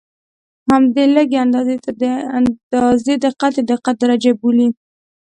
همدې لږې اندازې ته د اندازې دقت یا دقت درجه بولي.